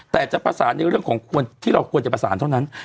แต่จะประสานในเรื่องของควรที่เราควรจะประสานเท่านั้น